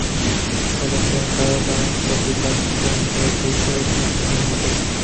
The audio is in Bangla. আর্জেন্টাইন তারকার প্রতি তাঁর দৃষ্টিভঙ্গি ছিল সেই শুরুর দিন গুলোর মতোই।